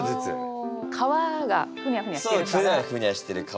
皮がふにゃふにゃしてるから。